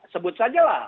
sebut saja lah